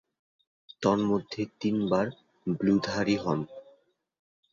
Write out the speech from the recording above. তন্মধ্যে তিনবার ব্লুধারী হন।